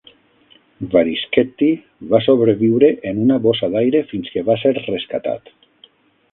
Varischetti va sobreviure en una bossa d'aire fins que va ser rescatat.